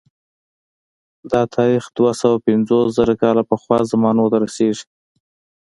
دا تاریخ دوه سوه پنځوس زره کاله پخوا زمانو ته رسېږي